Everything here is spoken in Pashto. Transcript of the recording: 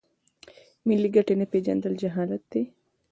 ملي ګټې نه پیژندل جهالت دی.